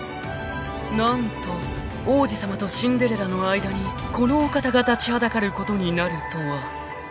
［何と王子様とシンデレラの間にこのお方が立ちはだかることになるとは］